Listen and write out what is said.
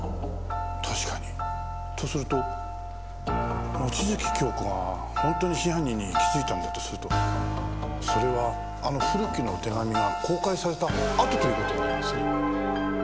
確かに。とすると望月京子が本当に真犯人に気づいたんだとするとそれはあの古木の手紙が公開されたあとという事になりますね。